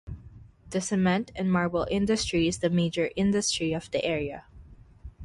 The cement and Marble industry is the major industry of the area.